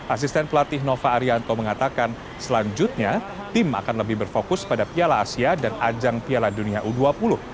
asisten pelatih nova arianto mengatakan selanjutnya tim akan lebih berfokus pada piala asia dan ajang piala dunia u dua puluh